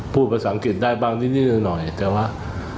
พูดภาษาอังกฤษได้บ้างนิดหน่อยแต่ว่า